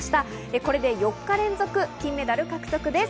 これで４日連続金メダル獲得です。